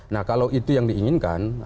nah kalau itu yang diinginkan